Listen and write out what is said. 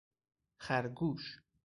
خرگوش!